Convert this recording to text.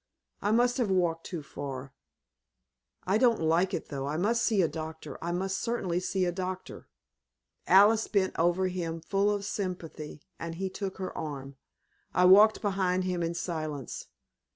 I must have walked too far. I don't like it though. I must see a doctor; I must certainly see a doctor!" Alice bent over him full of sympathy, and he took her arm. I walked behind him in silence.